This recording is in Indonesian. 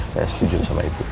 saya setuju sama itu